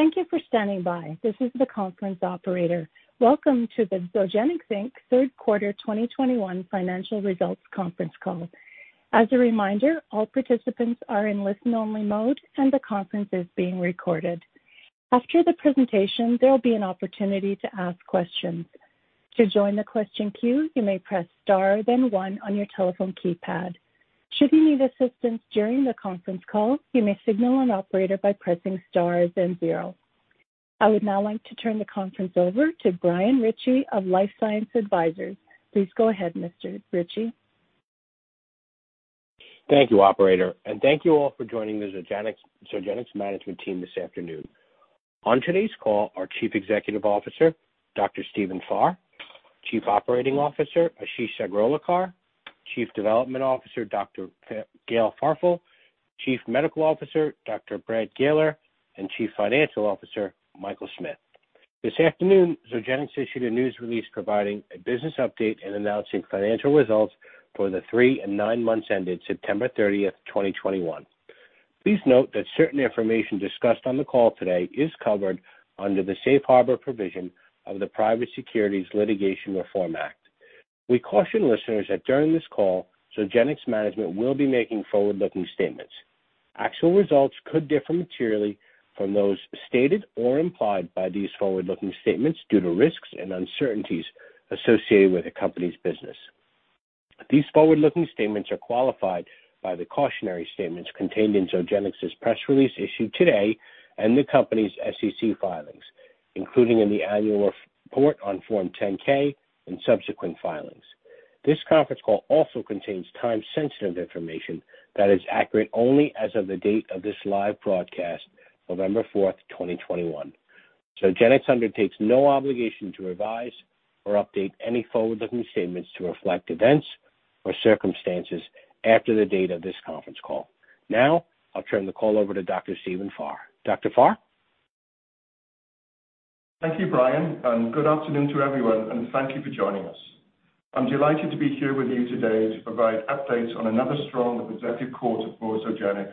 Thank you for standing by. This is the Conference Operator. Welcome to the Zogenix, Inc. Third Quarter 2021 Financial Results Conference Call. As a reminder, all participants are in listen-only mode, and the conference is being recorded. After the presentation, there will be an opportunity to ask questions. To join the question queue, you may press Star, then one on your telephone keypad. Should you need assistance during the conference call, you may signal an operator by pressing Star, then zero. I would now like to turn the conference over to Brian Ritchie of LifeSci Advisors. Please go ahead, Mr. Ritchie. Thank you, Operator, and thank you all for joining the Zogenix management team this afternoon. On today's call, our Chief Executive Officer, Dr. Stephen Farr, Chief Operating Officer, Ashish Sagrolikar, Chief Development Officer, Dr. Gail Farfel, Chief Medical Officer, Dr. Brad Galer, and Chief Financial Officer, Michael Smith. This afternoon, Zogenix issued a news release providing a business update and announcing financial results for the three and nine months ended September 30, 2021. Please note that certain information discussed on the call today is covered under the safe harbor provision of the Private Securities Litigation Reform Act. We caution listeners that during this call, Zogenix management will be making forward-looking statements. Actual results could differ materially from those stated or implied by these forward-looking statements due to risks and uncertainties associated with the company's business. These forward-looking statements are qualified by the cautionary statements contained in Zogenix's press release issued today and the company's SEC filings, including in the annual report on Form 10-K and subsequent filings. This conference call also contains time-sensitive information that is accurate only as of the date of this live broadcast, November 4, 2021. Zogenix undertakes no obligation to revise or update any forward-looking statements to reflect events or circumstances after the date of this conference call. Now, I'll turn the call over to Dr. Stephen Farr. Dr. Farr. Thank you, Brian, and good afternoon to everyone, and thank you for joining us. I'm delighted to be here with you today to provide updates on another strong executive quarter for Zogenix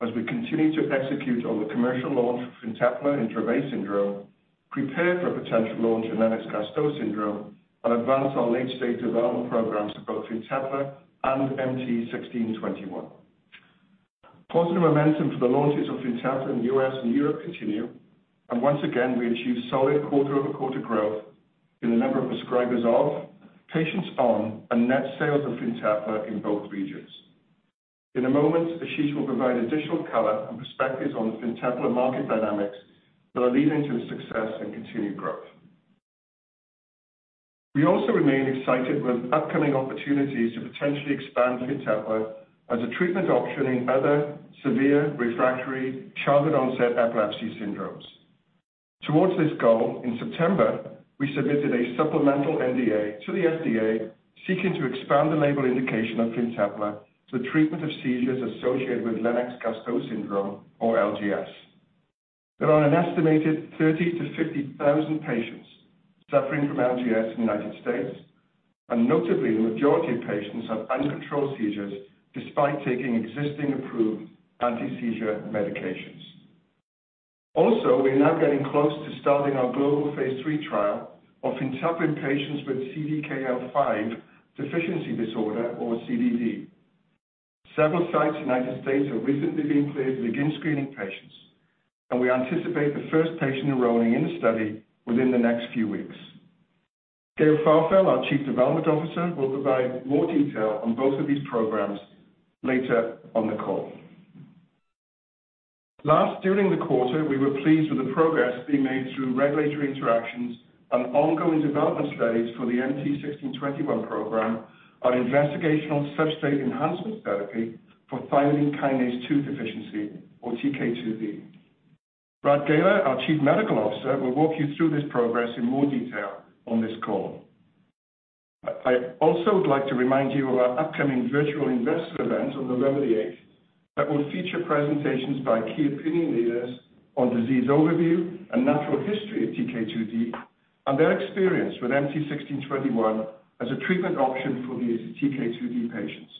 as we continue to execute on the commercial launch of FINTEPLA in Dravet syndrome, prepare for a potential launch in Lennox-Gastaut syndrome, and advance our late-stage development programs for both FINTEPLA and MT-1621. Positive momentum for the launches of FINTEPLA in the U.S. and Europe continue. Once again, we achieve solid quarter-over-quarter growth in the number of prescribers, patients on, and net sales of FINTEPLA in both regions. In a moment, Ashish will provide additional color and perspectives on the FINTEPLA market dynamics that are leading to the success and continued growth. We also remain excited with upcoming opportunities to potentially expand FINTEPLA as a treatment option in other severe refractory childhood-onset epilepsy syndromes. Towards this goal, in September, we submitted a supplemental NDA to the FDA seeking to expand the label indication of FINTEPLA to the treatment of seizures associated with Lennox-Gastaut syndrome or LGS. There are an estimated 30,000-50,000 patients suffering from LGS in the United States, and notably, the majority of patients have uncontrolled seizures despite taking existing approved anti-seizure medications. Also, we're now getting close to starting our global phase III trial of FINTEPLA in patients with CDKL5 deficiency disorder or CDD. Several sites in the United States have recently been cleared to begin screening patients, and we anticipate the first patient enrolling in the study within the next few weeks. Gail Farfel, our Chief Development Officer, will provide more detail on both of these programs later on the call. Last, during the quarter, we were pleased with the progress being made through regulatory interactions and ongoing development studies for the MT-1621 program, our investigational substrate enhancement therapy for thymidine kinase 2 deficiency or TK2D. Brad Galer, our Chief Medical Officer, will walk you through this progress in more detail on this call. I also would like to remind you of our upcoming virtual investor event on November 8 that will feature presentations by key opinion leaders on disease overview and natural history of TK2D and their experience with MT-1621 as a treatment option for these TK2D patients.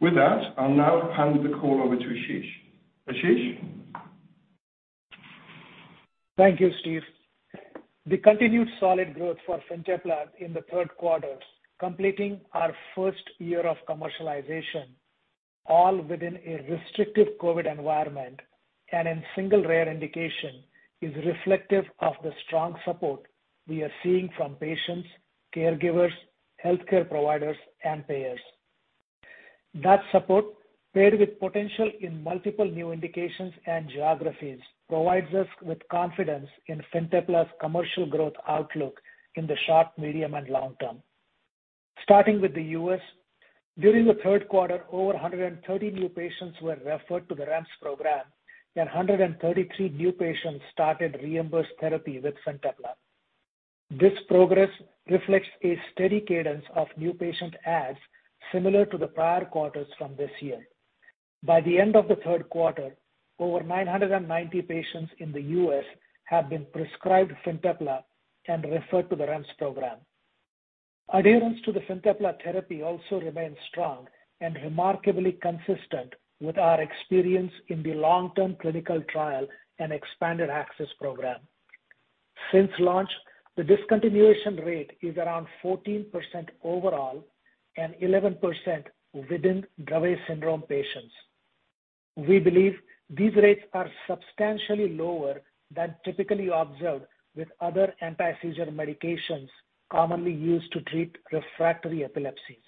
With that, I'll now hand the call over to Ashish. Thank you, Steve. The continued solid growth for FINTEPLA in the third quarter, completing our first year of commercialization, all within a restrictive COVID environment and in single rare indication, is reflective of the strong support we are seeing from patients, caregivers, healthcare providers, and payers. That support, paired with potential in multiple new indications and geographies, provides us with confidence in FINTEPLA's commercial growth outlook in the short, medium, and long term. Starting with the U.S., during the third quarter, over 130 new patients were referred to the REMS program, and 133 new patients started reimbursed therapy with FINTEPLA. This progress reflects a steady cadence of new patient adds similar to the prior quarters from this year. By the end of the third quarter, over 990 patients in the U.S. have been prescribed FINTEPLA and referred to the REMS program. Adherence to the FINTEPLA therapy also remains strong and remarkably consistent with our experience in the long-term clinical trial and expanded access program. Since launch, the discontinuation rate is around 14% overall and 11% within Dravet syndrome patients. We believe these rates are substantially lower than typically observed with other anti-seizure medications commonly used to treat refractory epilepsies.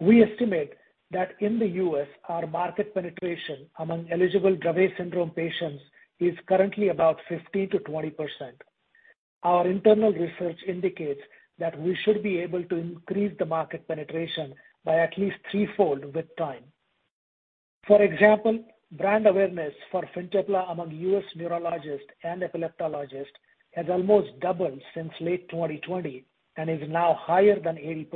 We estimate that in the U.S., our market penetration among eligible Dravet syndrome patients is currently about 15%-20%. Our internal research indicates that we should be able to increase the market penetration by at least threefold with time. For example, brand awareness for FINTEPLA among U.S. neurologists and epileptologists has almost doubled since late 2020 and is now higher than 80%.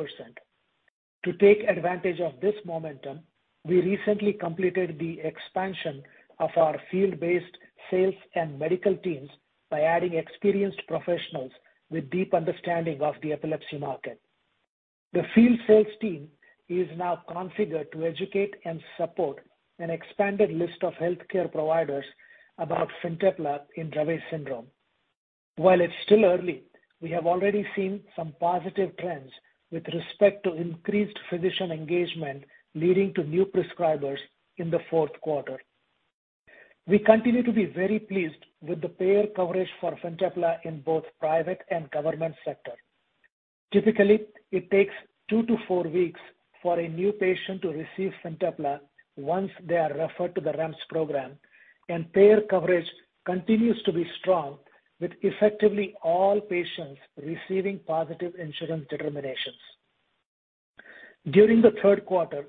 To take advantage of this momentum, we recently completed the expansion of our field-based sales and medical teams by adding experienced professionals with deep understanding of the epilepsy market. The field sales team is now configured to educate and support an expanded list of healthcare providers about FINTEPLA in Dravet syndrome. While it's still early, we have already seen some positive trends with respect to increased physician engagement, leading to new prescribers in the fourth quarter. We continue to be very pleased with the payer coverage for FINTEPLA in both private and government sector. Typically, it takes 2-4 weeks for a new patient to receive FINTEPLA once they are referred to the REMS program, and payer coverage continues to be strong, with effectively all patients receiving positive insurance determinations. During the third quarter,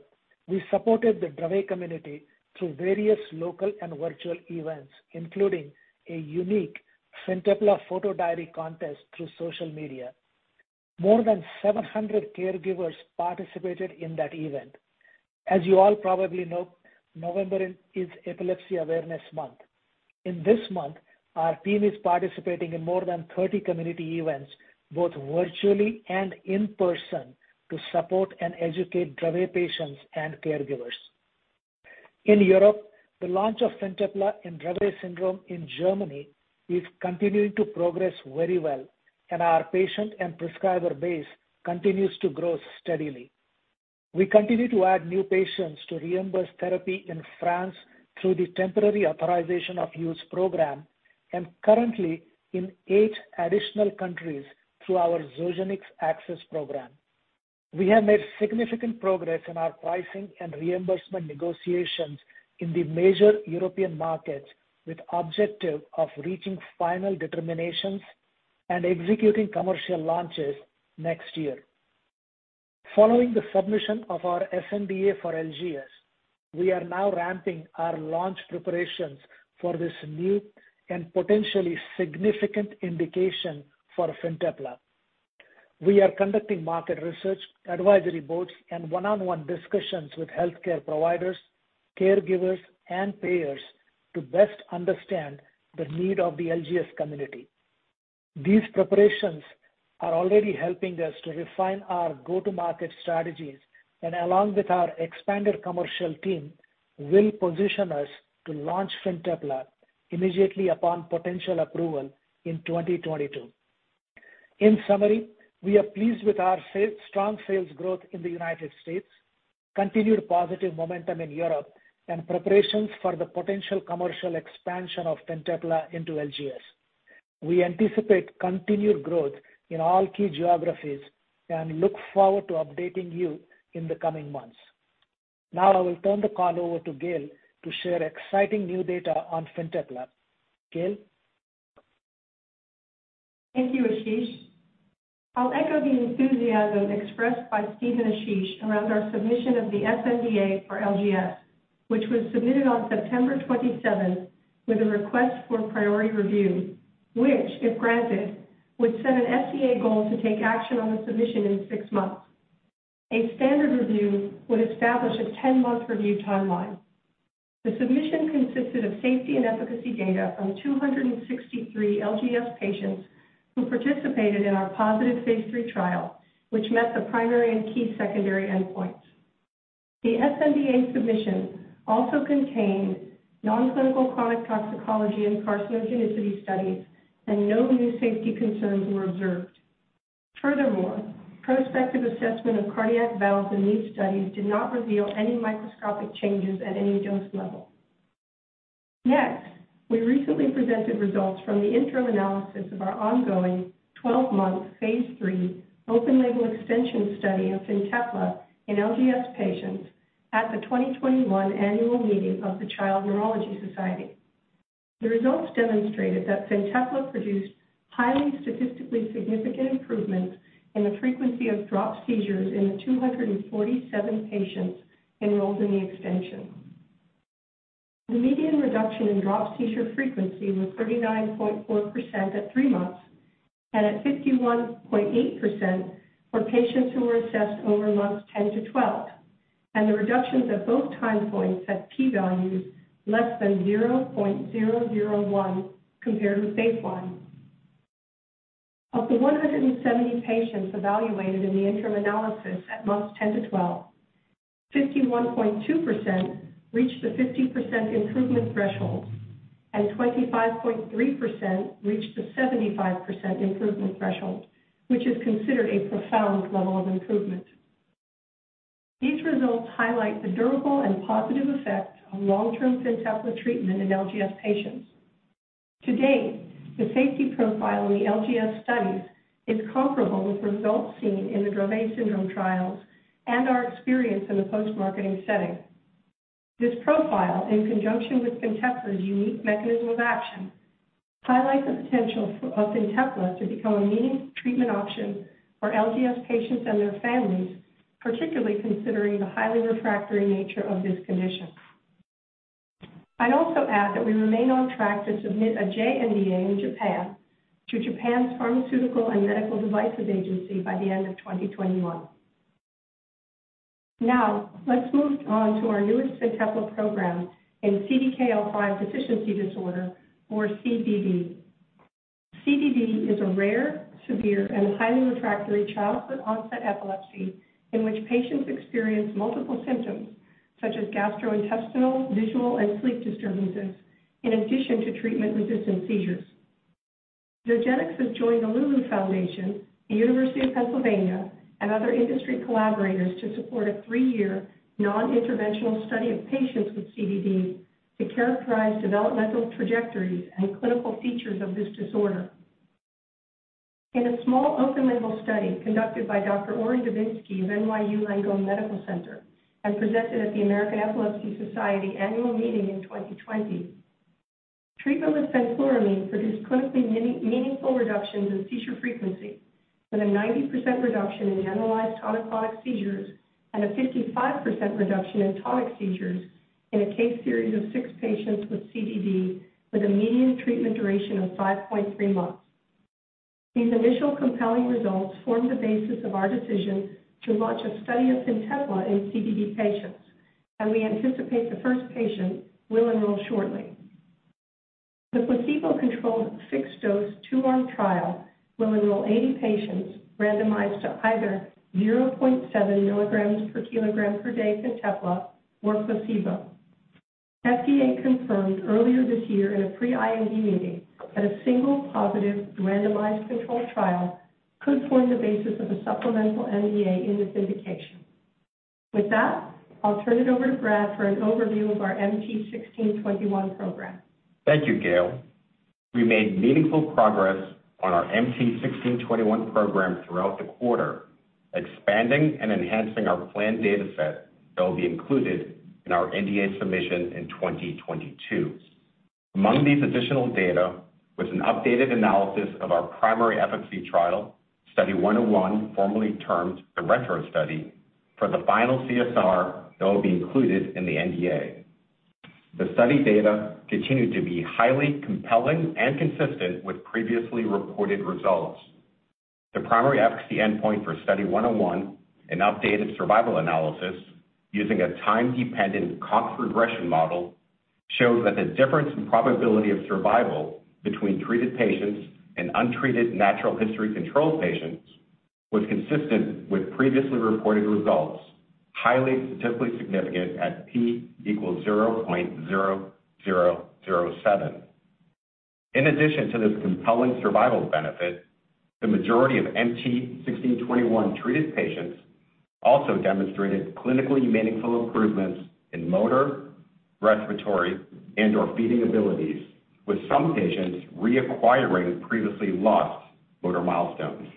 we supported the Dravet community through various local and virtual events, including a unique FINTEPLA photo diary contest through social media. More than 700 caregivers participated in that event. As you all probably know, November is Epilepsy Awareness Month. In this month, our team is participating in more than 30 community events, both virtually and in person, to support and educate Dravet patients and caregivers. In Europe, the launch of FINTEPLA in Dravet syndrome in Germany is continuing to progress very well, and our patient and prescriber base continues to grow steadily. We continue to add new patients to reimbursed therapy in France through the Temporary Authorization of Use program and currently in eight additional countries through our Zogenix Access Program. We have made significant progress in our pricing and reimbursement negotiations in the major European markets with objective of reaching final determinations and executing commercial launches next year. Following the submission of our sNDA for LGS, we are now ramping our launch preparations for this new and potentially significant indication for FINTEPLA. We are conducting market research, advisory boards, and one-on-one discussions with healthcare providers, caregivers, and payers to best understand the need of the LGS community. These preparations are already helping us to refine our go-to-market strategies and, along with our expanded commercial team, will position us to launch FINTEPLA immediately upon potential approval in 2022. In summary, we are pleased with our strong sales growth in the United States, continued positive momentum in Europe, and preparations for the potential commercial expansion of FINTEPLA into LGS. We anticipate continued growth in all key geographies and look forward to updating you in the coming months. Now I will turn the call over to Gail to share exciting new data on FINTEPLA. Gail. Thank you, Ashish. I'll echo the enthusiasm expressed by Steve and Ashish around our submission of the sNDA for LGS, which was submitted on September 27th with a request for priority review, which, if granted, would set an FDA goal to take action on the submission in 6 months. A standard review would establish a 10-month review timeline. The submission consisted of safety and efficacy data from 263 LGS patients who participated in our positive phase III trial, which met the primary and key secondary endpoints. The sNDA submission also contained non-clinical chronic toxicology and carcinogenicity studies, and no new safety concerns were observed. Furthermore, prospective assessment of cardiac valves and echo studies did not reveal any microscopic changes at any dose level. Next, we recently presented results from the interim analysis of our ongoing 12-month, phase III open label extension study of FINTEPLA in LGS patients at the 2021 annual meeting of the Child Neurology Society. The results demonstrated that FINTEPLA produced highly statistically significant improvements in the frequency of drop seizures in the 247 patients enrolled in the extension. The median reduction in drop seizure frequency was 39.4% at 3 months and at 51.8% for patients who were assessed over months 10 to 12. The reductions at both time points had p-values less than 0.001 compared with baseline. Of the 170 patients evaluated in the interim analysis at months 10-12, 51.2% reached the 50% improvement threshold, and 25.3% reached the 75% improvement threshold, which is considered a profound level of improvement. These results highlight the durable and positive effect of long-term FINTEPLA treatment in LGS patients. To date, the safety profile in the LGS studies is comparable with results seen in the Dravet syndrome trials and our experience in the post-marketing setting. This profile, in conjunction with FINTEPLA's unique mechanism of action, highlights the potential of FINTEPLA to become a meaningful treatment option for LGS patients and their families, particularly considering the highly refractory nature of this condition. I'd also add that we remain on track to submit a JNDA in Japan through Japan's Pharmaceuticals and Medical Devices Agency by the end of 2021. Now, let's move on to our newest FINTEPLA program in CDKL5 deficiency disorder, or CDD. CDD is a rare, severe, and highly refractory childhood-onset epilepsy in which patients experience multiple symptoms such as gastrointestinal, visual, and sleep disturbances in addition to treatment-resistant seizures. Zogenix has joined the Loulou Foundation, the University of Pennsylvania, and other industry collaborators to support a three-year non-interventional study of patients with CDD to characterize developmental trajectories and clinical features of this disorder. In a small open-label study conducted by Dr. Orrin Devinsky of NYU Langone Medical Center, presented at the American Epilepsy Society annual meeting in 2020, treatment with fenfluramine produced clinically meaningful reductions in seizure frequency, with a 90% reduction in generalized tonic-clonic seizures and a 55% reduction in tonic seizures in a case series of six patients with CDD with a median treatment duration of 5.3 months. These initial compelling results form the basis of our decision to launch a study of FINTEPLA in CDD patients, and we anticipate the first patient will enroll shortly. The placebo-controlled fixed dose two-arm trial will enroll 80 patients randomized to either 0.7 mg/kg/day FINTEPLA or placebo. FDA confirmed earlier this year in a pre-IND meeting that a single positive randomized controlled trial could form the basis of a supplemental NDA in this indication. With that, I'll turn it over to Brad for an overview of our MT-1621 program. Thank you, Gail. We made meaningful progress on our MT-1621 program throughout the quarter, expanding and enhancing our planned data set that will be included in our NDA submission in 2022. Among these additional data was an updated analysis of our primary efficacy trial, Study 101, formerly termed the Retro Study, for the final CSR that will be included in the NDA. The study data continued to be highly compelling and consistent with previously reported results. The primary efficacy endpoint for Study 101, an updated survival analysis using a time-dependent Cox regression model, showed that the difference in probability of survival between treated patients and untreated natural history control patients was consistent with previously reported results, highly statistically significant at p = 0.0007. In addition to this compelling survival benefit, the majority of MT-1621 treated patients also demonstrated clinically meaningful improvements in motor, respiratory, and/or feeding abilities, with some patients reacquiring previously lost motor milestones.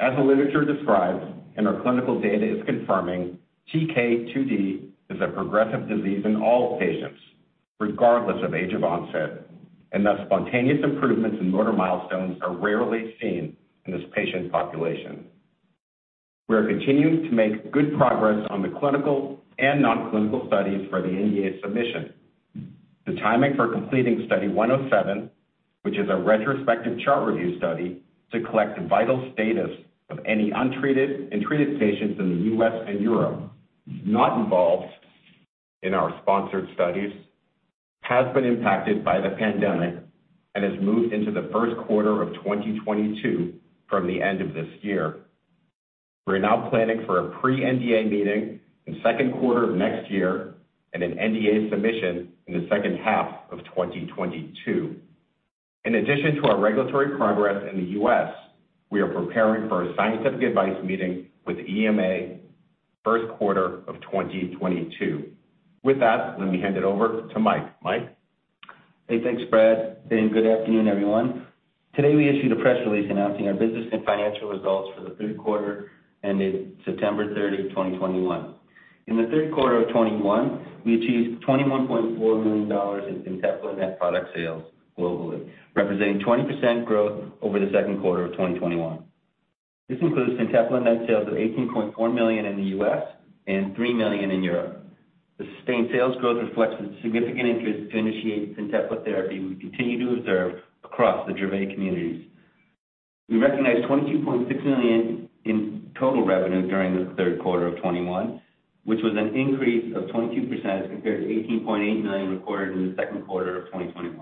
As the literature describes and our clinical data is confirming, TK2D is a progressive disease in all patients, regardless of age of onset, and thus spontaneous improvements in motor milestones are rarely seen in this patient population. We are continuing to make good progress on the clinical and non-clinical studies for the NDA submission. The timing for completing Study 107, which is a retrospective chart review study to collect vital status of any untreated and treated patients in the U.S. and Europe not involved in our sponsored studies, has been impacted by the pandemic and has moved into the first quarter of 2022 from the end of this year. We are now planning for a pre-NDA meeting in the second quarter of next year and an NDA submission in the second half of 2022. In addition to our regulatory progress in the U.S., we are preparing for a scientific advice meeting with the EMA in the first quarter of 2022. With that, let me hand it over to Mike. Mike? Hey, thanks, Brad, and good afternoon, everyone. Today, we issued a press release announcing our business and financial results for the third quarter ended September 30, 2021. In the third quarter of 2021, we achieved $21.4 million in FINTEPLA net product sales globally, representing 20% growth over the second quarter of 2021. This includes FINTEPLA net sales of $18.4 million in the U.S. and $3 million in Europe. The sustained sales growth reflects the significant interest to initiate FINTEPLA therapy we continue to observe across the Dravet communities. We recognized $22.6 million in total revenue during the third quarter of 2021, which was an increase of 22% as compared to $18.8 million recorded in the second quarter of 2021.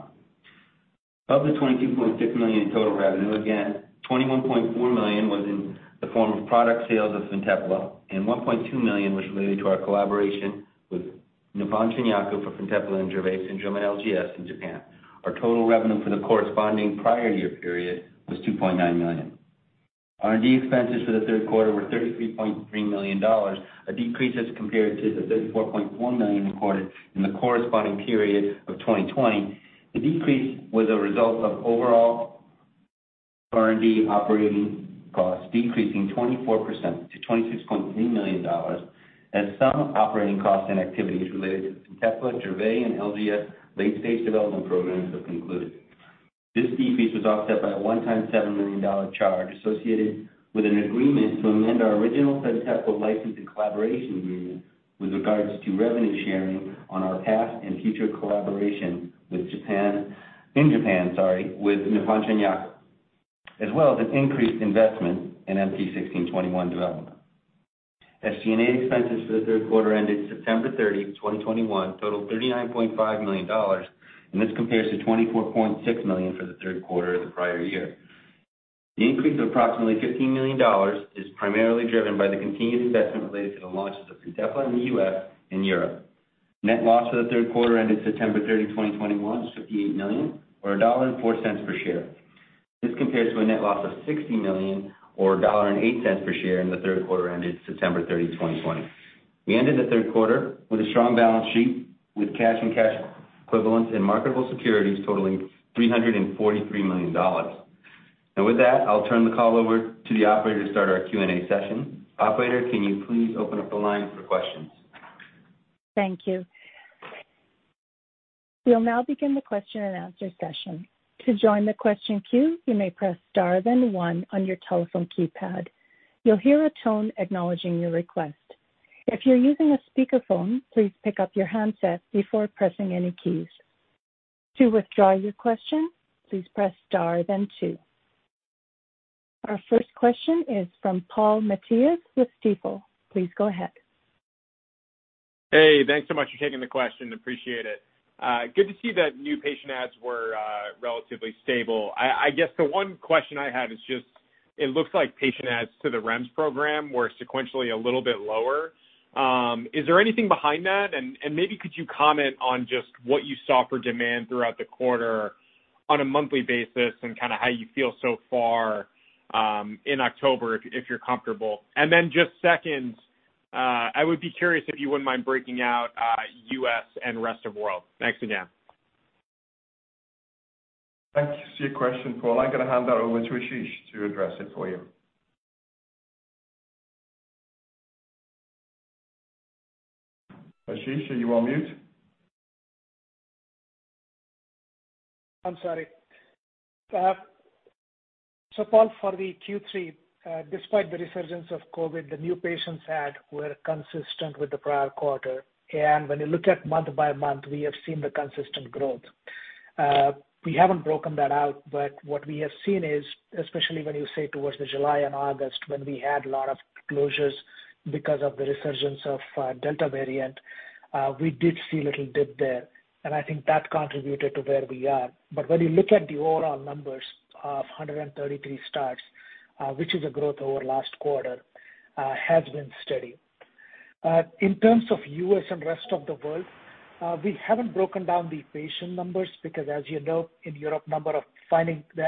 Of the $22.6 million in total revenue, again, $21.4 million was in the form of product sales of FINTEPLA, and $1.2 million was related to our collaboration with Nippon Shinyaku for FINTEPLA and Dravet syndrome and LGS in Japan. Our total revenue for the corresponding prior year period was $2.9 million. R&D expenses for the third quarter were $33.3 million, a decrease as compared to the $34.1 million recorded in the corresponding period of 2020. The decrease was a result of overall R&D operating costs decreasing 24% to $26.3 million, as some operating costs and activities related to FINTEPLA, Dravet, and LGS late-stage development programs have concluded. This decrease was offset by a one-time $7 million charge associated with an agreement to amend our original FINTEPLA license and collaboration agreement with regard to revenue sharing on our past and future collaboration with Nippon Shinyaku, as well as an increased investment in MT-1621 development. SG&A expenses for the third quarter ended September 30, 2021, totaled $39.5 million, and this compares to $24.6 million for the third quarter of the prior year. The increase of approximately $15 million is primarily driven by the continued investment related to the launches of FINTEPLA in the U.S. and Europe. Net loss for the third quarter ended September 30, 2021 was $58 million or $1.04 per share. This compares to a net loss of $60 million or $1.08 per share in the third quarter ended September 30, 2020. We ended the third quarter with a strong balance sheet, with cash and cash equivalents and marketable securities totaling $343 million. With that, I'll turn the call over to the operator to start our Q&A session. Operator, can you please open up the line for questions? Thank you. We'll now begin the question and answer session. To join the question queue, you may press star then one on your telephone keypad. You'll hear a tone acknowledging your request. If you're using a speakerphone, please pick up your handset before pressing any keys. To withdraw your question, please press star then two. Our first question is from Paul Matteis with Stifel. Please go ahead. Hey, thanks so much for taking the question. Appreciate it. Good to see that new patient adds were relatively stable. I guess the one question I have is just it looks like patient adds to the REMS program were sequentially a little bit lower. Is there anything behind that? And maybe could you comment on just what you saw for demand throughout the quarter on a monthly basis and kinda how you feel so far in October, if you're comfortable? And then just second, I would be curious if you wouldn't mind breaking out U.S. and rest of world. Thanks again. Thanks for your question, Paul. I'm gonna hand that over to Ashish to address it for you. Ashish, are you on mute? I'm sorry. Paul, for the Q3, despite the resurgence of COVID, the new patient adds were consistent with the prior quarter. When you look at month by month, we have seen the consistent growth. We haven't broken that out, but what we have seen is, especially when you say towards July and August, when we had a lot of closures because of the resurgence of Delta variant, we did see a little dip there, and I think that contributed to where we are. When you look at the overall numbers of 133 starts, which is a growth over last quarter, has been steady. In terms of U.S. and rest of the world, we haven't broken down the patient numbers because, as you know, in Europe, finding the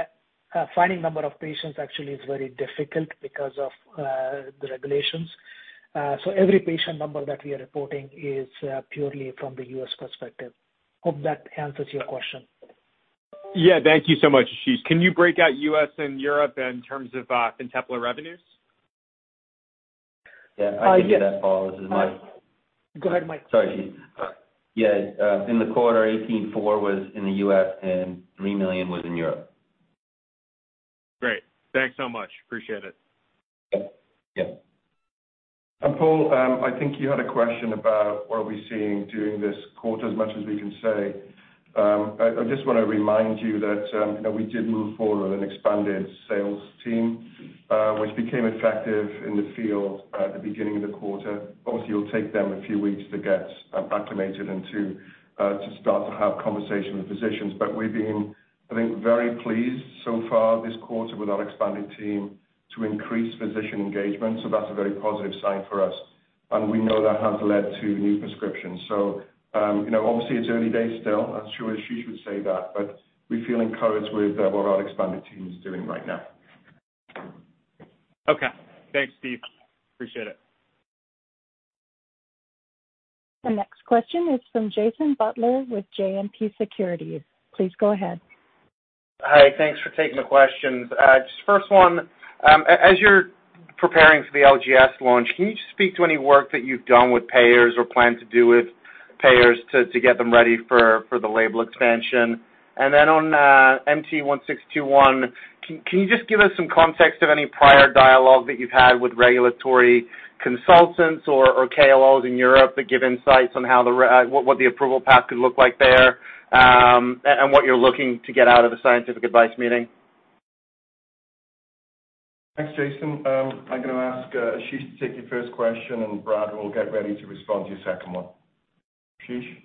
number of patients actually is very difficult because of the regulations. Every patient number that we are reporting is purely from the U.S. perspective. I hope that answers your question. Yeah. Thank you so much, Ashish. Can you break out U.S. and Europe in terms of, FINTEPLA revenues? Yeah. I can do that, Paul. This is Mike. Go ahead, Mike. Sorry, Ashish. Yeah, in the quarter, $18.4 million was in the U.S. and $3 million was in Europe. Great. Thanks so much. Appreciate it. Yeah. Paul, I think you had a question about what are we seeing during this quarter as much as we can say. I just wanna remind you that, you know, we did move forward with an expanded sales team, which became effective in the field at the beginning of the quarter. Obviously, it'll take them a few weeks to get acclimated and to start to have conversations with physicians. But we've been, I think, very pleased so far this quarter with our expanded team to increase physician engagement, so that's a very positive sign for us, and we know that has led to new prescriptions. You know, obviously, it's early days still. I'm sure Ashish would say that, but we feel encouraged with what our expanded team is doing right now. Okay. Thanks, Steve. Appreciate it. The next question is from Jason Butler with JMP Securities. Please go ahead. Hi. Thanks for taking the questions. Just first one, as you're preparing for the LGS launch, can you just speak to any work that you've done with payers or plan to do with payers to get them ready for the label expansion? And then on MT-1621, can you just give us some context of any prior dialogue that you've had with regulatory consultants or KOLs in Europe that give insights on how what the approval path could look like there? And what you're looking to get out of the scientific advice meeting. Thanks, Jason. I'm gonna ask Ashish to take the first question, and Brad will get ready to respond to your second one. Ashish?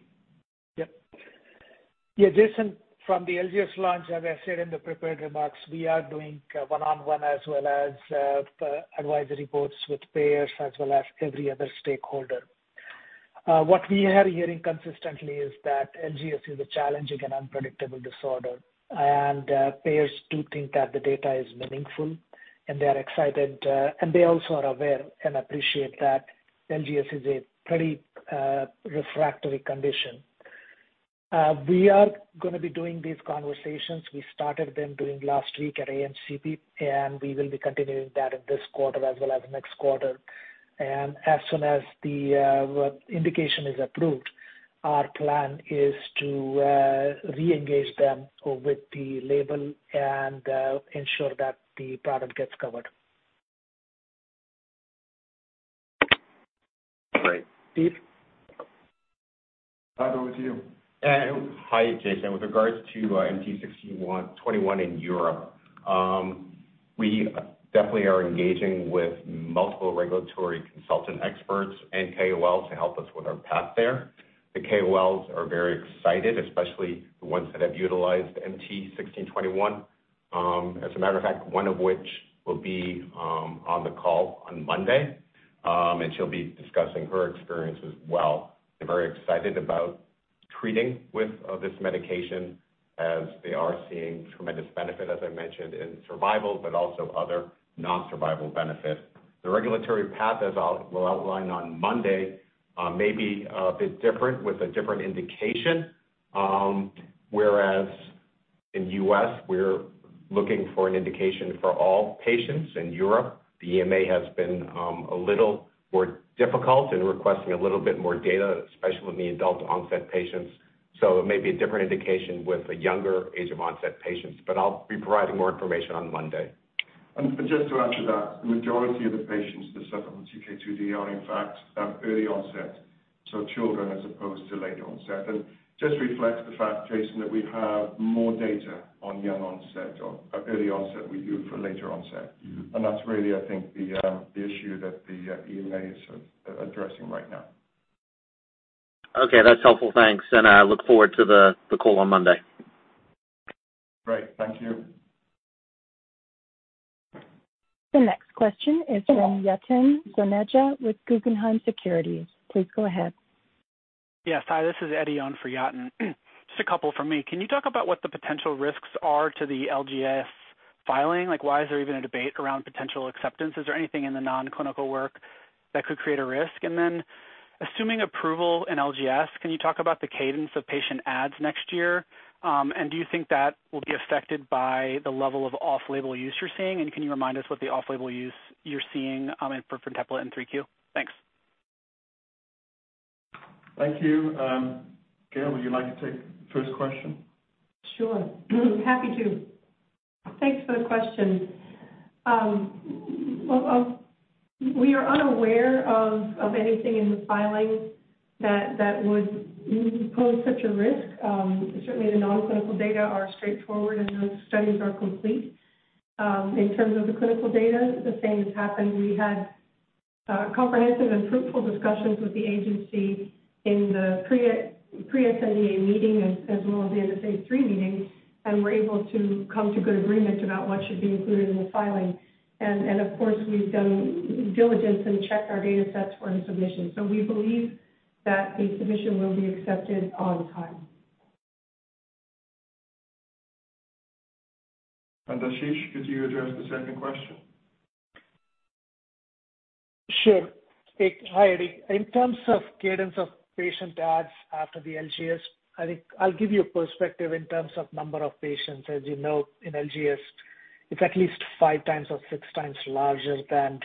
Yeah, Jason, from the LGS launch, as I said in the prepared remarks, we are doing one-on-one as well as advisory boards with payers as well as every other stakeholder. What we are hearing consistently is that LGS is a challenging and unpredictable disorder, and payers do think that the data is meaningful, and they are excited, and they also are aware and appreciate that LGS is a pretty refractory condition. We are gonna be doing these conversations. We started them doing last week at AMCP, and we will be continuing that in this quarter as well as next quarter. As soon as the indication is approved, our plan is to re-engage them with the label and ensure that the product gets covered. Great. Steve? Brad, over to you. Hi, Jason. With regards to MT-1621 in Europe, we definitely are engaging with multiple regulatory consultant experts and KOLs to help us with our path there. The KOLs are very excited, especially the ones that have utilized MT-1621. As a matter of fact, one of which will be on the call on Monday, and she'll be discussing her experience as well. They're very excited about treating with this medication as they are seeing tremendous benefit, as I mentioned in survival, but also other non-survival benefits. The regulatory path, as we'll outline on Monday, may be a bit different with a different indication. Whereas in U.S., we're looking for an indication for all patients. In Europe, the EMA has been a little more difficult in requesting a little bit more data, especially in the adult onset patients. It may be a different indication with the younger age of onset patients, but I'll be providing more information on Monday. Just to add to that, the majority of the patients that suffer from TK2D are in fact have early onset, so children as opposed to late onset. Just reflects the fact, Jason, that we have more data on young onset or early onset we do for later onset. That's really, I think, the issue that the EMA is addressing right now. Okay, that's helpful. Thanks. I look forward to the call on Monday. Great. Thank you. The next question is from Yatin Suneja with Guggenheim Securities. Please go ahead. Yes. Hi, this is Eddie on for Yatin. Just a couple from me. Can you talk about what the potential risks are to the LGS filing? Like, why is there even a debate around potential acceptance? Is there anything in the non-clinical work that could create a risk? And then assuming approval in LGS, can you talk about the cadence of patient adds next year? And do you think that will be affected by the level of off-label use you're seeing? And can you remind us what the off-label use you're seeing for FINTEPLA in 3Q? Thanks. Thank you. Gail, would you like to take the first question? Sure. Happy to. Thanks for the question. Well, we are unaware of anything in the filing that would pose such a risk. Certainly the non-clinical data are straightforward, and those studies are complete. In terms of the clinical data, the same has happened. We had comprehensive and fruitful discussions with the agency in the pre-sNDA meeting as well as the end of phase III meeting, and we're able to come to good agreements about what should be included in the filing. Of course, we've done due diligence and checked our datasets for the submission. We believe that the submission will be accepted on time. Ashish, could you address the second question? Sure. Hi, Eddie. In terms of cadence of patient adds after the LGS, I think I'll give you a perspective in terms of number of patients. As you know, in LGS, it's at least five times or six times larger than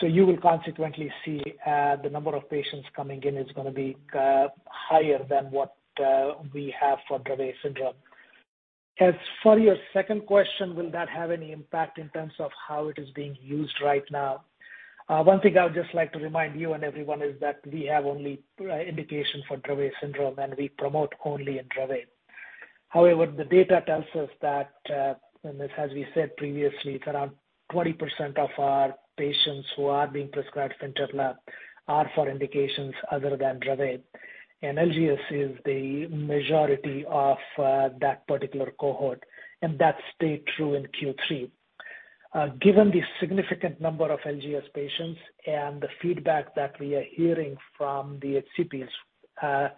Dravet. You will consequently see the number of patients coming in is gonna be higher than what we have for Dravet syndrome. As for your second question, will that have any impact in terms of how it is being used right now? One thing I would just like to remind you and everyone is that we have only indication for Dravet syndrome, and we promote only in Dravet. However, the data tells us that and as we said previously, it's around 20% of our patients who are being prescribed FINTEPLA are for indications other than Dravet. LGS is the majority of that particular cohort, and that stayed true in Q3. Given the significant number of LGS patients and the feedback that we are hearing from the HCPs,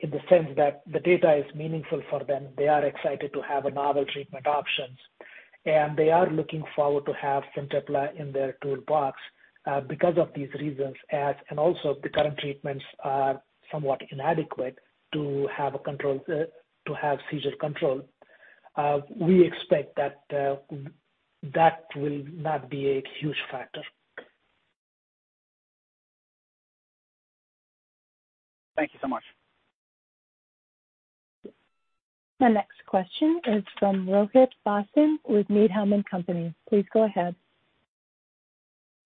in the sense that the data is meaningful for them, they are excited to have a novel treatment options, and they are looking forward to have FINTEPLA in their toolbox, because of these reasons and also the current treatments are somewhat inadequate to have a control, to have seizure control. We expect that that will not be a huge factor. Thank you so much. The next question is from Rohit Bhasin with Needham & Company. Please go ahead.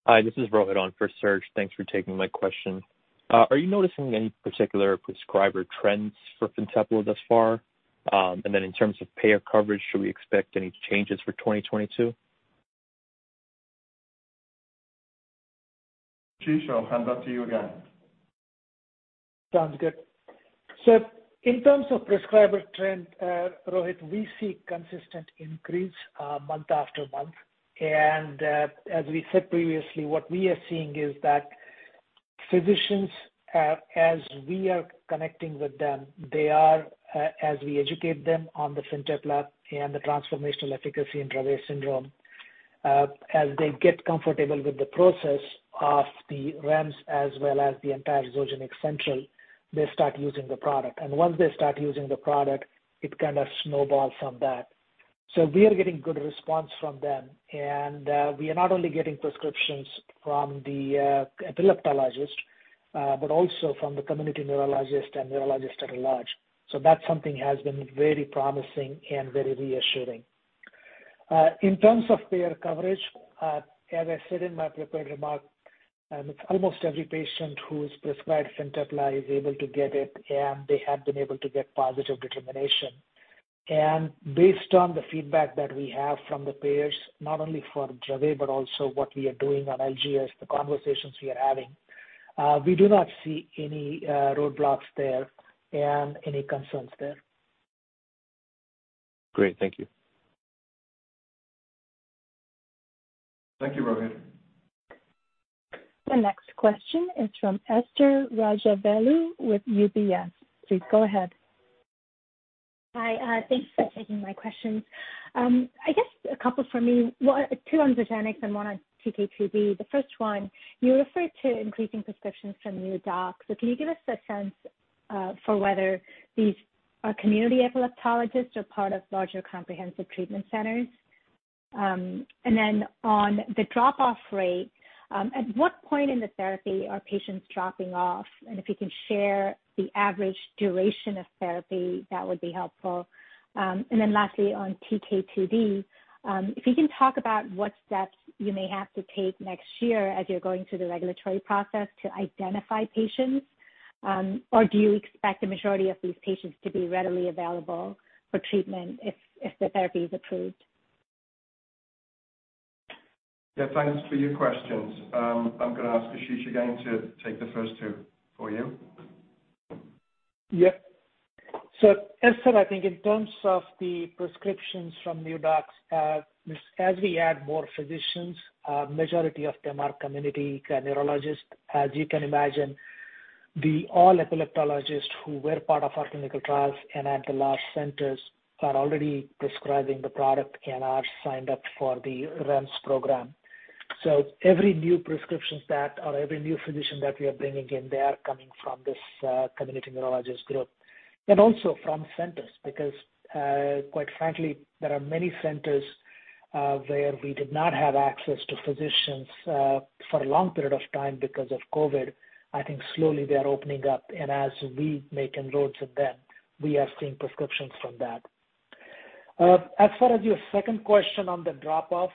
Hi, this is Rohit on for Serge. Thanks for taking my question. Are you noticing any particular prescriber trends for FINTEPLA thus far? In terms of payer coverage, should we expect any changes for 2022? Ashish, I'll hand off to you again. Sounds good. In terms of prescriber trend, Rohit, we see consistent increase month after month. As we said previously, what we are seeing is that physicians, as we are connecting with them, they are, as we educate them on the FINTEPLA and the transformational efficacy in Dravet syndrome. As they get comfortable with the process of the REMS as well as the entire Zogenix Central, they start using the product. Once they start using the product, it kind of snowballs from that. We are getting good response from them. We are not only getting prescriptions from the epileptologist, but also from the community neurologist and neurologist at large. That's something has been very promising and very reassuring. In terms of payer coverage, as I said in my prepared remarks, it's almost every patient who is prescribed FINTEPLA is able to get it, and they have been able to get positive determination. Based on the feedback that we have from the payers, not only for Dravet, but also what we are doing on LGS, the conversations we are having, we do not see any roadblocks there and any concerns there. Great. Thank you. Thank you, Rohit. The next question is from Esther Rajavelu with UBS. Please go ahead. Hi. Thanks for taking my questions. I guess a couple for me. One, two on Zogenix and one on TK2D. The first one, you referred to increasing prescriptions from new docs. So can you give us a sense for whether these are community epileptologists or part of larger comprehensive treatment centers? And then on the drop-off rate, at what point in the therapy are patients dropping off? And if you can share the average duration of therapy, that would be helpful. And then lastly, on TK2D, if you can talk about what steps you may have to take next year as you're going through the regulatory process to identify patients, or do you expect the majority of these patients to be readily available for treatment if the therapy is approved? Yeah, thanks for your questions. I'm gonna ask Ashish again to take the first two for you. Yeah. Esther, I think in terms of the prescriptions from new docs, as we add more physicians, majority of them are community neurologists. As you can imagine, all epileptologists who were part of our clinical trials and at the large centers are already prescribing the product and are signed up for the REMS program. Every new physician that we are bringing in, they are coming from this, community neurologist group. Also from centers. Because, quite frankly, there are many centers, where we did not have access to physicians, for a long period of time because of COVID. I think slowly they are opening up. As we make inroads with them, we are seeing prescriptions from that. As far as your second question on the drop-off,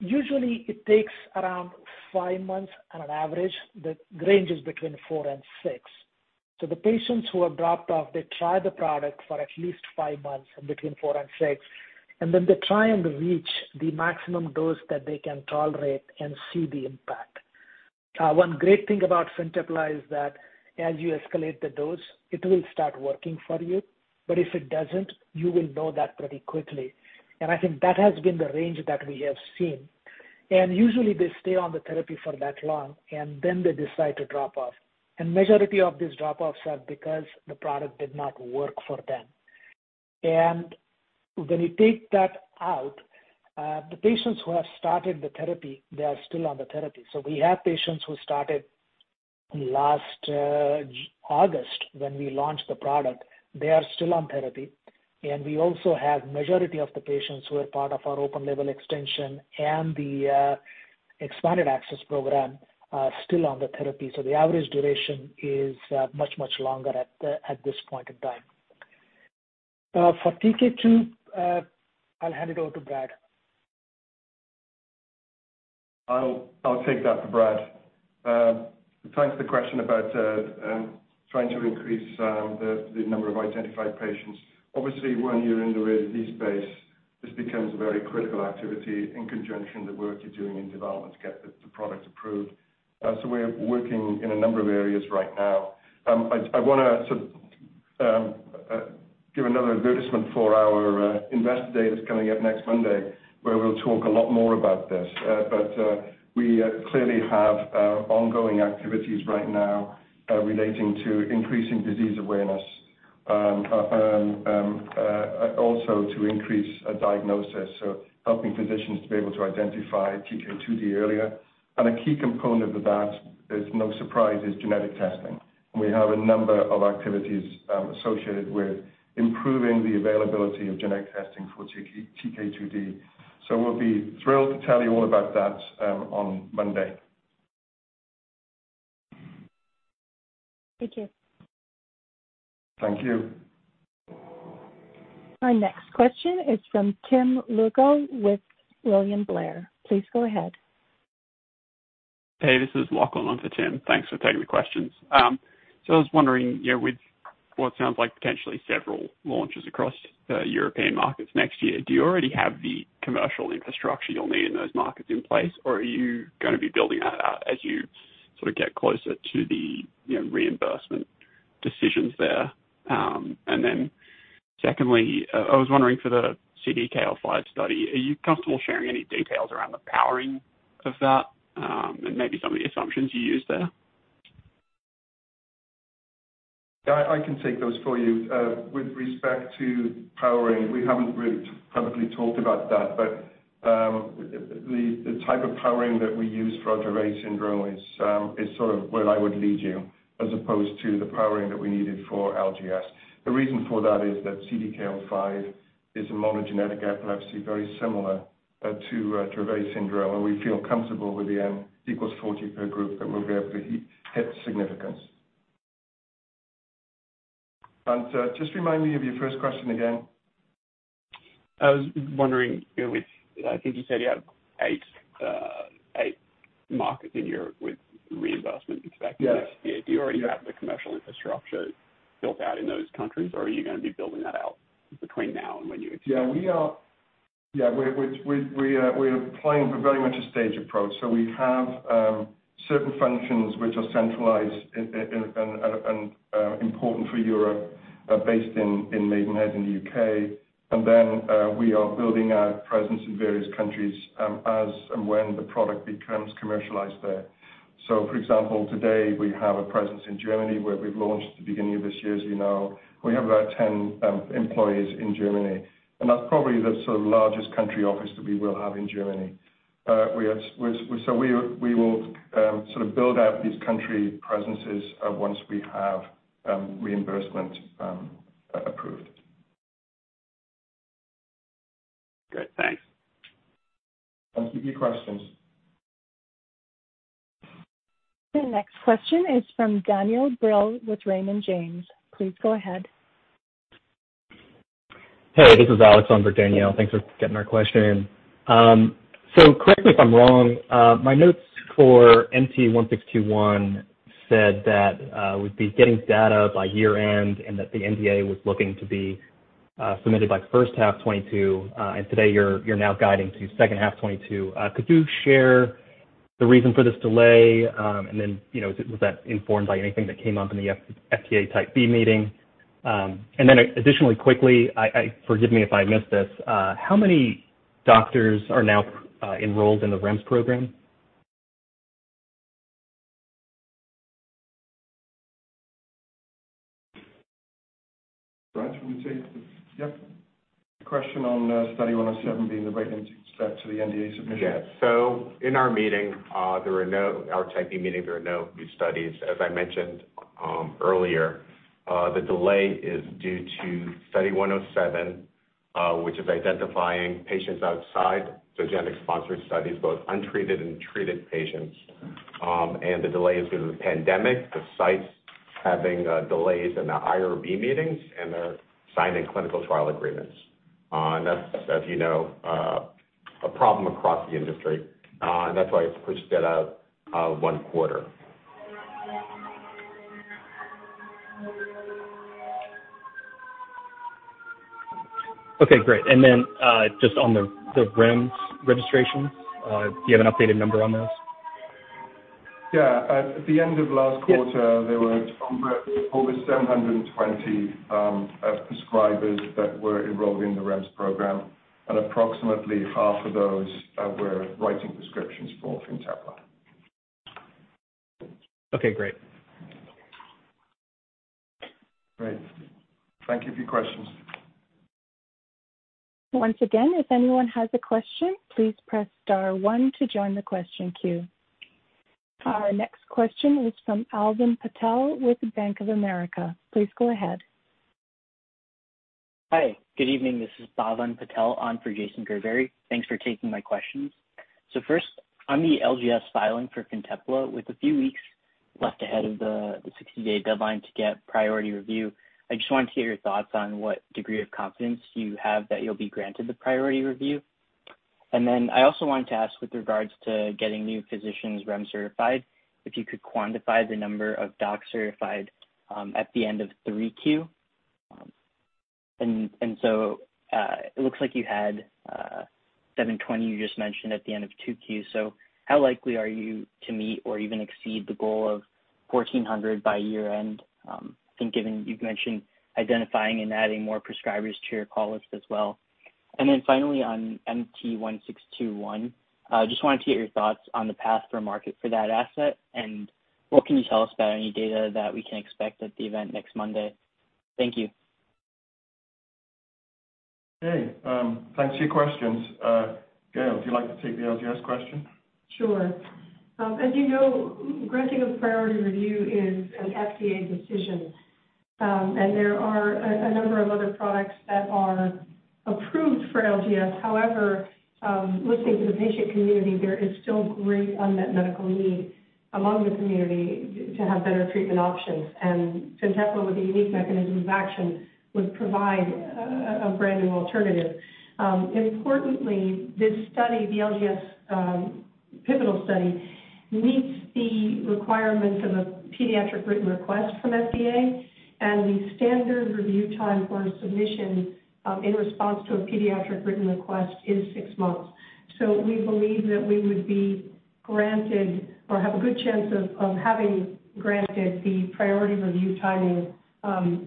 usually it takes around 5 months on an average that ranges between 4 and 6. The patients who have dropped off, they try the product for at least 5 months, between 4 and 6, and then they try and reach the maximum dose that they can tolerate and see the impact. One great thing about FINTEPLA is that as you escalate the dose, it will start working for you. If it doesn't, you will know that pretty quickly. I think that has been the range that we have seen. Usually they stay on the therapy for that long, and then they decide to drop off. Majority of these drop-offs are because the product did not work for them. When you take that out, the patients who have started the therapy, they are still on the therapy. We have patients who started last August when we launched the product. They are still on therapy. We also have majority of the patients who are part of our open-label extension and the expanded access program still on the therapy. The average duration is much longer at this point in time. For TK2, I'll hand it over to Brad. I'll take that for Brad. Thanks for the question about trying to increase the number of identified patients. Obviously, when you're in the rare disease space, this becomes a very critical activity in conjunction with the work you're doing in development to get the product approved. We're working in a number of areas right now. I wanna sort of give another advertisement for our Investor Day that's coming up next Monday, where we'll talk a lot more about this. We clearly have ongoing activities right now relating to increasing disease awareness, also to increase diagnosis, helping physicians to be able to identify TK2D earlier. A key component of that, no surprise, is genetic testing. We have a number of activities associated with improving the availability of genetic testing for TK2D. We'll be thrilled to tell you all about that on Monday. Thank you. Thank you. Our next question is from Tim Lugo with William Blair. Please go ahead. Hey, this is Lachlan on for Tim. Thanks for taking the questions. So I was wondering, you know, with what sounds like potentially several launches across the European markets next year, do you already have the commercial infrastructure you'll need in those markets in place? Or are you gonna be building that out as you sort of get closer to the, you know, reimbursement decisions there? And then secondly, I was wondering for the CDKL5 study, are you comfortable sharing any details around the powering of that, and maybe some of the assumptions you used there? I can take those for you. With respect to powering, we haven't really publicly talked about that. The type of powering that we use for Dravet syndrome is sort of where I would lead you as opposed to the powering that we needed for LGS. The reason for that is that CDKL5 is a monogenic epilepsy very similar to Dravet syndrome, and we feel comfortable with the N = 40 per group that we'll be able to hit significance. Just remind me of your first question again. I was wondering, you know, if I think you said you have eight markets in Europe with reimbursement expected. Yes. Next year. Do you already have the commercial infrastructure built out in those countries, or are you gonna be building that out between now and when you expect it? We're applying a very much staged approach. We have certain functions which are centralized and important for Europe, based in Maidenhead in the U.K. We are building our presence in various countries, as and when the product becomes commercialized there. For example, today we have a presence in Germany, where we've launched at the beginning of this year, as you know. We have about 10 employees in Germany, and that's probably the sort of largest country office that we will have in Germany. We will sort of build out these country presences once we have reimbursement approved. Good. Thanks. Thanks for your questions. The next question is from Daniel Brill with Raymond James. Please go ahead. Hey, this is Alex on for Daniel. Thanks for getting our question. Correct me if I'm wrong, my notes for MT-1621 said that we'd be getting data by year-end and that the NDA was looking to be submitted by H1 2022. Today you're now guiding to H2 2022. Could you share the reason for this delay? Was that informed by anything that came up in the FDA Type B meeting? Forgive me if I missed this. How many doctors are now enrolled in the REMS program? Brad Galer, want to take it? Yep. Question on study 107 being the right step to the NDA submission. In our meeting, our Type B meeting, there were no new studies. As I mentioned earlier, the delay is due to Study 107, which is identifying patients outside Zogenix-sponsored studies, both untreated and treated patients. The delay is due to the pandemic, the sites having delays in the IRB meetings, and they're signing clinical trial agreements. That's, as you know, a problem across the industry. That's why it's pushed it out one quarter. Okay, great. Just on the REMS registration, do you have an updated number on those? Yeah. At the end of last quarter. Yes. There were over 720 prescribers that were enrolled in the REMS program, and approximately half of those were writing prescriptions for FINTEPLA. Okay, great. Great. Thank you for your questions. Once again, if anyone has a question, please press star one to join the question queue. Our next question is from Bhavin Patel with Bank of America. Please go ahead. Hi. Good evening. This is Bhavin Patel on for Jason Gerberry. Thanks for taking my questions. First, on the LGS filing for Fintepla, with a few weeks left ahead of the 60-day deadline to get priority review, I just wanted to hear your thoughts on what degree of confidence you have that you'll be granted the priority review. Then I also wanted to ask, with regards to getting new physicians REMS certified, if you could quantify the number of docs certified at the end of 3Q. It looks like you had 720 you just mentioned at the end of 2Q. How likely are you to meet or even exceed the goal of 1,400 by year-end, I think given you've mentioned identifying and adding more prescribers to your call list as well? On MT-1621, just wanted to get your thoughts on the path to market for that asset, and what can you tell us about any data that we can expect at the event next Monday? Thank you. Okay. Thanks for your questions. Gail, would you like to take the LGS question? Sure. As you know, granting of priority review is an FDA decision, and there are a number of other products that are approved for LGS. However, listening to the patient community, there is still great unmet medical need among the community to have better treatment options. FINTEPLA, with a unique mechanism of action, would provide a brand-new alternative. Importantly, this study, the LGS pivotal study, meets the requirements of a pediatric written request from FDA and the standard review time for a submission in response to a pediatric written request is six months. We believe that we would be granted or have a good chance of having granted the priority review timing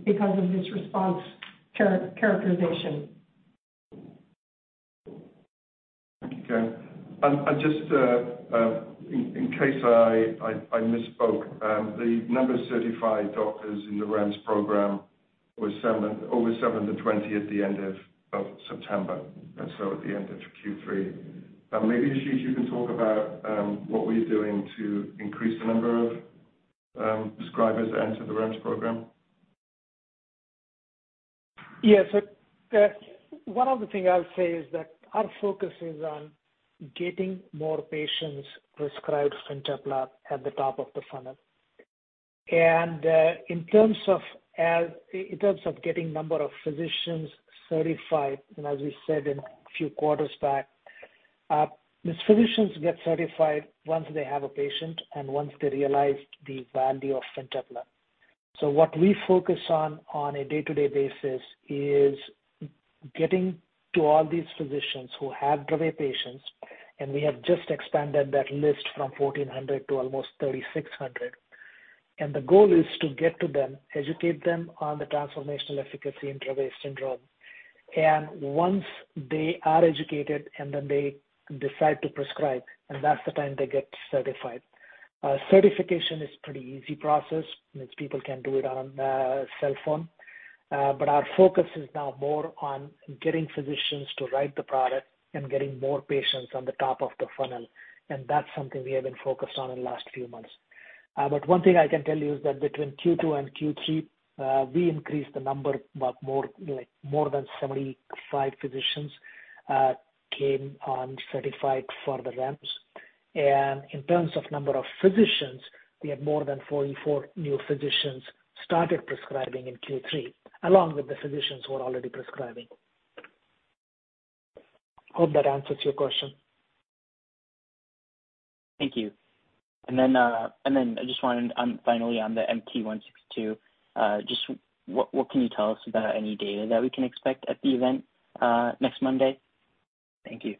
because of this response characterization. Thank you, Gail. I just, in case I misspoke, the number of certified doctors in the REMS program was over 720 at the end of September and at the end of Q3. Maybe, Ashish, you can talk about what we're doing to increase the number of prescribers that enter the REMS program. Yeah. One of the things I'll say is that our focus is on getting more patients prescribed FINTEPLA at the top of the funnel. In terms of getting number of physicians certified, and as we said in a few quarters back, these physicians get certified once they have a patient and once they realize the value of FINTEPLA. What we focus on a day-to-day basis is getting to all these physicians who have Dravet patients, and we have just expanded that list from 1,400 to almost 3,600. The goal is to get to them, educate them on the transformational efficacy in Dravet syndrome. Once they are educated and then they decide to prescribe, and that's the time they get certified. Certification is pretty easy process, means people can do it on cell phone. Our focus is now more on getting physicians to write the product and getting more patients on the top of the funnel, and that's something we have been focused on in the last few months. One thing I can tell you is that between Q2 and Q3, more than 75 physicians came on certified for the REMS. In terms of number of physicians, we had more than 44 new physicians who started prescribing in Q3, along with the physicians who are already prescribing. I hope that answers your question. Thank you. I just wanted, finally on the MT-1621, just what can you tell us about any data that we can expect at the event next Monday? Thank you.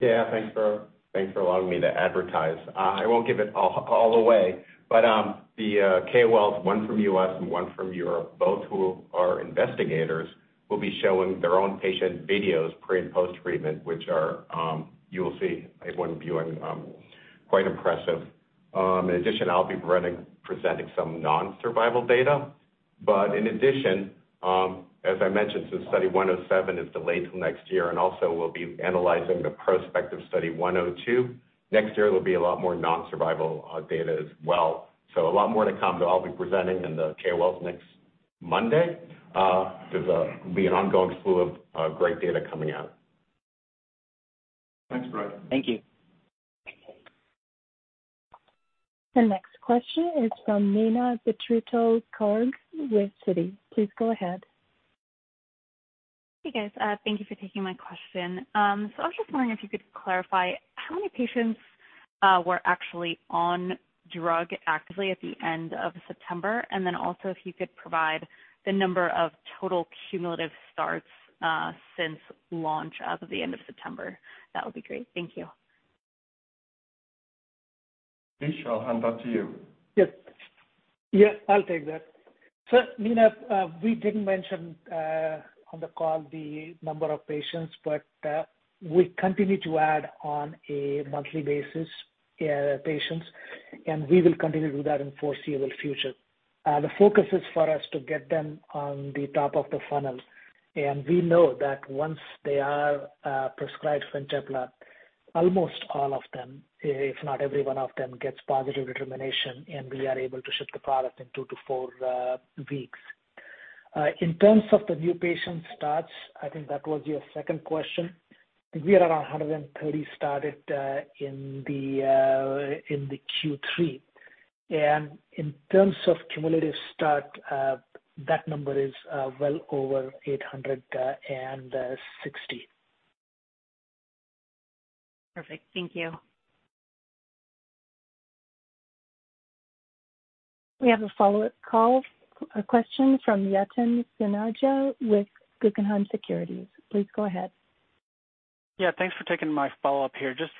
Yeah. Thanks for allowing me to advertise. I won't give it all away, but the KOLs, one from U.S. and one from Europe, both who are investigators, will be showing their own patient videos pre and post-treatment, which are you will see I have one viewing quite impressive. In addition, I'll be presenting some non-survival data. In addition, as I mentioned, Study 107 is delayed till next year, and also we'll be analyzing the prospective Study 102. Next year there'll be a lot more non-survival data as well. A lot more to come that I'll be presenting in the KOLs next Monday. There'll be an ongoing flow of great data coming out. Thanks, Brad. Thank you. The next question is from Neena Bitritto-Garg with Citi. Please go ahead. Hey, guys. Thank you for taking my question. I was just wondering if you could clarify how many patients were actually on drug actively at the end of September. If you could provide the number of total cumulative starts since launch as of the end of September, that would be great. Thank you. Ash, I'll hand that to you. Yes. Yes, I'll take that. Neena, we didn't mention on the call the number of patients, but we continue to add on a monthly basis patients, and we will continue to do that in foreseeable future. The focus is for us to get them on the top of the funnel. We know that once they are prescribed FINTEPLA, almost all of them, if not every one of them, gets positive determination, and we are able to ship the product in 2-4 weeks. In terms of the new patient starts, I think that was your second question. We are around 130 started in the Q3. In terms of cumulative start, that number is well over 860. Perfect. Thank you. We have a follow-up call, question from Yatin Suneja with Guggenheim Securities. Please go ahead. Yeah. Thanks for taking my follow-up here. Just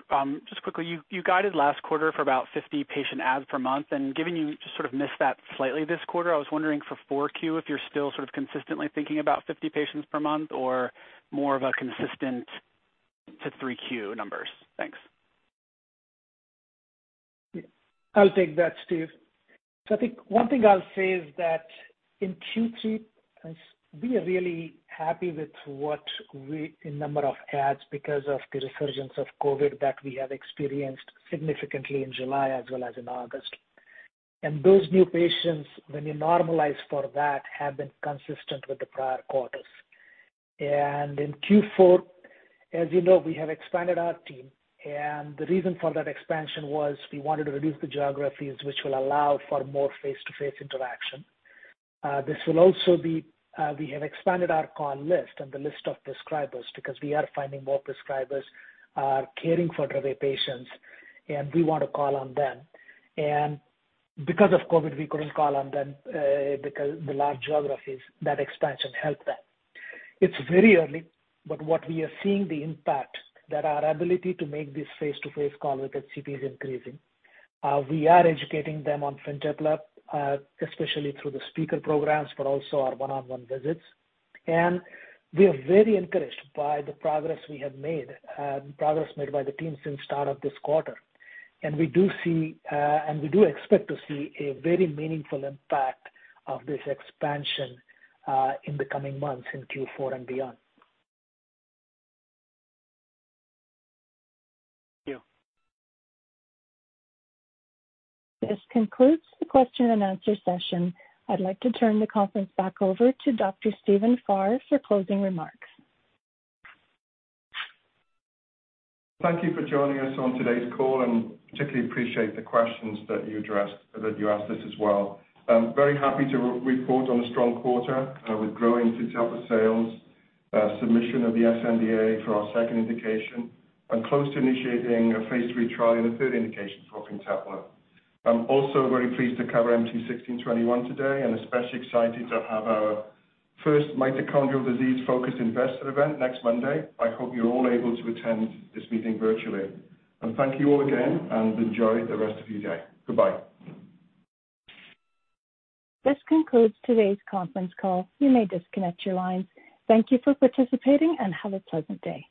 quickly, you guided last quarter for about 50 patient adds per month. Given you just sort of missed that slightly this quarter, I was wondering for 4Q if you're still sort of consistently thinking about 50 patients per month or more of a consistent to 3Q numbers. Thanks. Yeah. I'll take that, Steve. I think one thing I'll say is that in Q3, we are really happy with the number of adds because of the resurgence of COVID that we have experienced significantly in July as well as in August. Those new patients, when you normalize for that, have been consistent with the prior quarters. In Q4, as you know, we have expanded our team, and the reason for that expansion was we wanted to reduce the geographies which will allow for more face-to-face interaction. We have expanded our call list and the list of prescribers because we are finding more prescribers are caring for Dravet patients, and we want to call on them. Because of COVID, we couldn't call on them because the large geographies, that expansion helped that. It's very early, but what we are seeing the impact that our ability to make this face-to-face call with the CP is increasing. We are educating them on FINTEPLA, especially through the speaker programs, but also our one-on-one visits. We are very encouraged by the progress we have made and progress made by the team since start of this quarter. We do see and we do expect to see a very meaningful impact of this expansion in the coming months in Q4 and beyond. Thank you. This concludes the question and answer session. I'd like to turn the conference back over to Dr. Stephen Farr for closing remarks. Thank you for joining us on today's call, and particularly appreciate the questions that you asked us as well. I'm very happy to report on a strong quarter with growing FINTEPLA sales, submission of the sNDA for our second indication. I'm close to initiating a phase III trial in the third indication for FINTEPLA. I'm also very pleased to cover MT-1621 today, and especially excited to have our first mitochondrial disease-focused investor event next Monday. I hope you're all able to attend this meeting virtually. Thank you all again, and enjoy the rest of your day. Goodbye. This concludes today's conference call. You may disconnect your lines. Thank you for participating, and have a pleasant day.